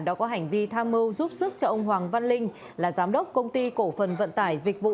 đã có hành vi tham mưu giúp sức cho ông hoàng văn linh là giám đốc công ty cổ phần vận tải dịch vụ